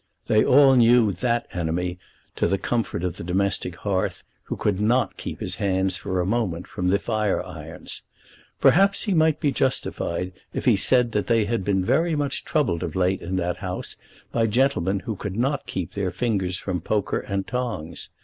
They all knew that enemy to the comfort of the domestic hearth, who could not keep his hands for a moment from the fire irons. Perhaps he might be justified if he said that they had been very much troubled of late in that House by gentlemen who could not keep their fingers from poker and tongs.